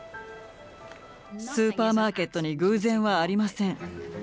スーパーマーケットに偶然はありません。